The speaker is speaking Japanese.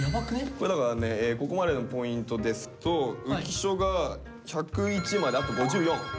これだからここまでのポイントですと浮所が１０１まであと５４。